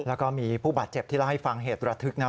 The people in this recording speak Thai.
แล้วก็มีผู้บาดเจ็บที่เล่าให้ฟังเหตุระทึกนะ